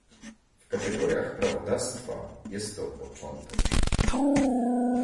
W kategoriach prawodawstwa jest to początek